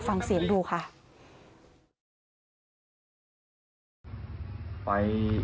ฟังเสียงดูค่ะ